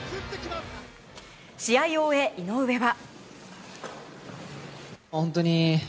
試合を終え、井上は。